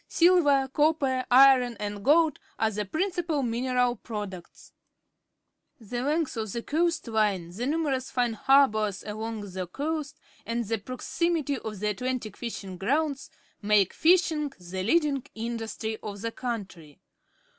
Silver, copper, iron, and gold are the principal mineral products. SWEDEN 177 The length of the coast line, the numerous fine harbours along the coast, and the proximity of the Atlantic fishing grounds make fishin g the leading industry of the countrj